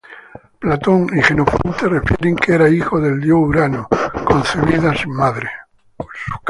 Platón y Jenofonte refieren que era hija del dios Urano, concebida sin madre.